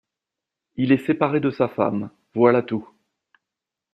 Il est séparé de sa femme, voilà tout.